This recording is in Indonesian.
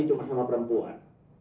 cuma sama perempuan